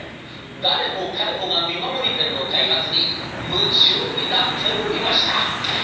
誰も彼もが見守りペンの開発に夢中になっておりました。